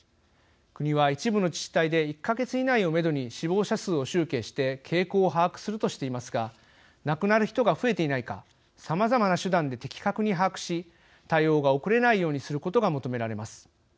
国は一部の自治体で１か月以内をめどに死亡者数を集計して傾向を把握するとしていますが亡くなる人が増えていないかさまざまな手段で的確に把握し対応が遅れないようにすることが求められます。